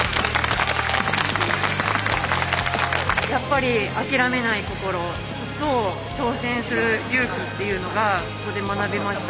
やっぱり諦めない心と挑戦する勇気っていうのがここで学びました。